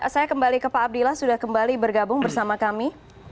saya kembali ke pak abdillah sudah kembali bergabung bersama kami